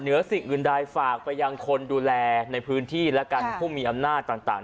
เหนือสิ่งอื่นดายฝากไปอย่างคนดูแลในพื้นที่และการผู้มีอำนาจต่าง